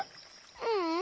ううん。